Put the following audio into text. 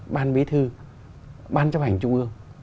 ban bí thư ban chấp hành trung ương